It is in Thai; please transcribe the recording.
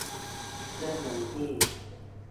เริ่มวันที่